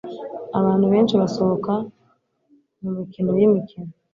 abantu benshi basohoka mumikino yimikino